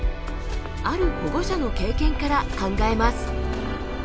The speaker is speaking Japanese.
ある保護者の経験から考えます。